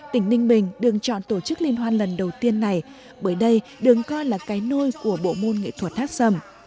tỉnh ninh bình đường chọn tổ chức liên hoan lần đầu tiên này bởi đây đường coi là cái nôi của bộ môn nghệ thuật hát sầm